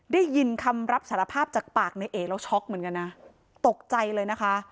ได้ยินคำรับสารภาพจากปากในเอแล้วช็อกเหมือนกันนะตกใจเลยนะคะ